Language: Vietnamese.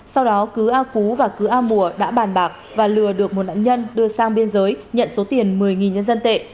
sau đó cứ a phú và cứ a mùa đã bàn bạc và lừa được một nạn nhân đưa sang biên giới nhận số tiền một mươi nhân dân tệ